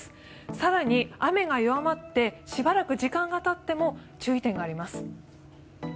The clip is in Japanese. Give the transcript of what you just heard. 更に、雨が弱まってしばらく時間がたっても注意点があります。